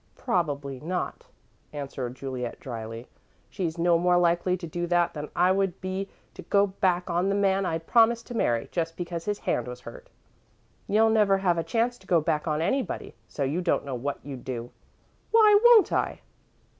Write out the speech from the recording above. "Probably not," answered Juliet, dryly. "She's no more likely to do that than I would be to go back on the man I'd promised to marry, just because his hand was hurt." "You'll never have a chance to go back on anybody, so you don't know what you'd do." "Why won't I?"